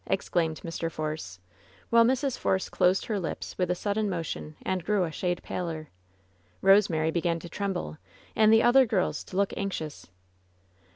exclaimed Mr. Force, while Mrs. Force closed her lips with a sudden motion and grew a shade paler. Rosemary began to tremble, and the other yoimg girls to look anxious.